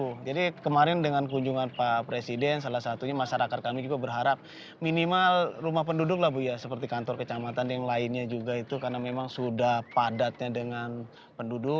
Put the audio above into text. betul jadi kemarin dengan kunjungan pak presiden salah satunya masyarakat kami juga berharap minimal rumah penduduk lah bu ya seperti kantor kecamatan yang lainnya juga itu karena memang sudah padatnya dengan penduduk